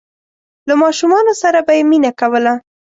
له ماشومانو سره به یې مینه کوله.